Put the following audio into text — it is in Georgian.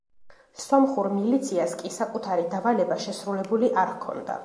სომხურ მილიციას კი საკუთარი დავალება შესრულებული არ ჰქონდა.